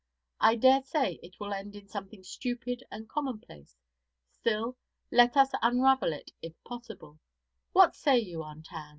I dare say it will end in something stupid and commonplace. Still, let us unravel it if possible. What say you, Aunt Ann?'